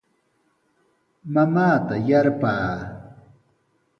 Mamaata yarpaa.